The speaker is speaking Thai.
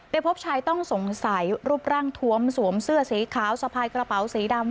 พบชายต้องสงสัยรูปร่างทวมสวมเสื้อสีขาวสะพายกระเป๋าสีดำ